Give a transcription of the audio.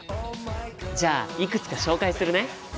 じゃあいくつか紹介するね。